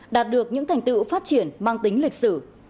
đạt được những thành tựu phát triển mang tính lịch sử